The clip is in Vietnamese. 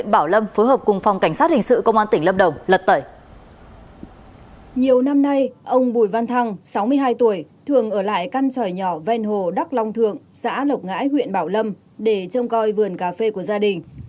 nhiều năm nay ông bùi văn thăng sáu mươi hai tuổi thường ở lại căn tròi nhỏ ven hồ đắc long thượng xã lộc ngãi huyện bảo lâm để trông coi vườn cà phê của gia đình